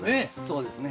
そうですね。